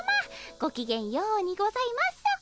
ごきげんようにございます。